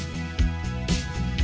untuk membuat anak anak muda